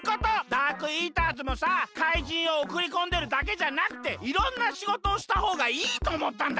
ダークイーターズもさかいじんをおくりこんでるだけじゃなくていろんなしごとをしたほうがいいとおもったんだよ。